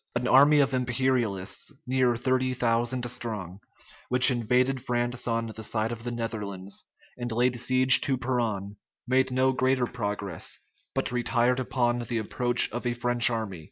An army of imperialists, near thirty thousand strong, which invaded France on the side of the Netherlands, and laid siege to Peronne, made no greater progress, but retired upon the approach of a French army.